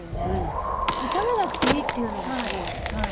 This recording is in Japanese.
炒めなくていいっていうのがすごい。